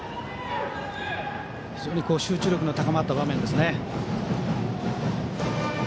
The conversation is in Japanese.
非常に集中力の高まった場面です。